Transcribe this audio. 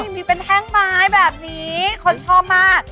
มีเป็นแท่งไม้แบบนี้คนชอบมาก